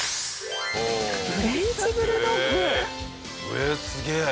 えっすげえ！